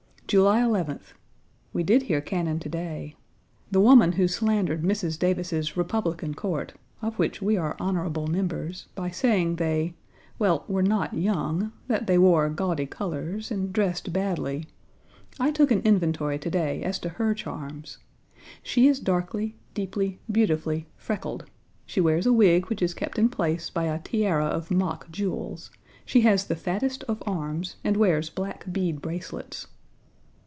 July 11th. We did hear cannon to day. The woman who slandered Mrs. Davis's republican court, of which we Page 80 are honorable members, by saying they well, were not young; that they wore gaudy colors, and dressed badly I took an inventory to day as to her charms. She is darkly, deeply, beautifully freckled; she wears a wig which is kept in place by a tiara of mock jewels; she has the fattest of arms and wears black bead bracelets.